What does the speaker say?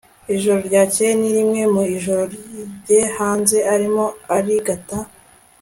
Ijoro ryakeye ni rimwe mu ijoro rye hanze Arimo arigata